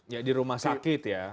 ya di rumah sakit ya